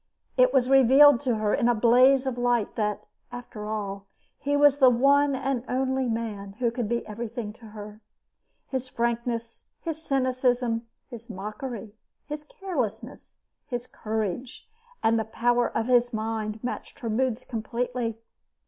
It was revealed to her as in a blaze of light that, after all, he was the one and only man who could be everything to her. His frankness, his cynicism, his mockery, his carelessness, his courage, and the power of his mind matched her moods completely.